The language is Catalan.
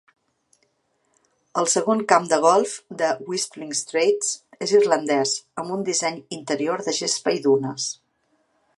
El segon camp de golf de Whistling Straits és l'irlandès, amb un disseny interior de gespa i dunes.